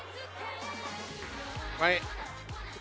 はい。